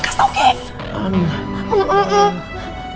kasih tau geng